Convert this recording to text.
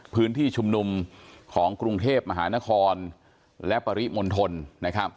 พื้นที่ชุมนุมของกรุงเทพมหานครและปริมณฑลนะครับ